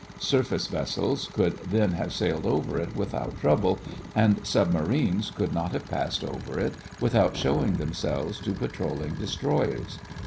Surface vessels could then have sailed over it without trouble and submarines could not have passed over it without showing themselves to patrolling destroyers.